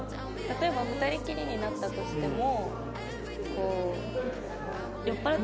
例えば２人きりになったとしても。